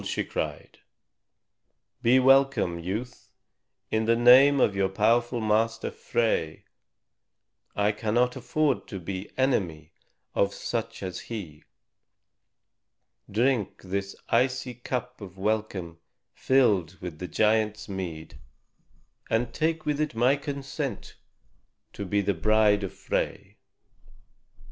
she cried; "be welcome, youth, in the name of your powerful master, Frey. I cannot afford to be enemy of such as he. Drink this icy cup of welcome filled with the giant's mead, and take with it my consent to be the bride of Frey.